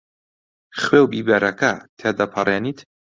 خوێ و بیبەرەکە تێدەپەڕێنیت؟